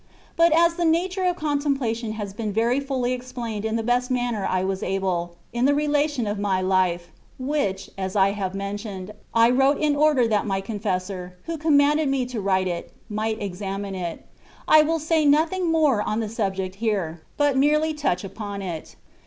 But as the nature of contemplation has been very fully explained in the best manner I was able, in the relation of my Life, which, as I have mentioned, I wrote in order that my confessor, who commanded me to write it, might examine it, I will say nothing more on the subject here, but merely touch upon it.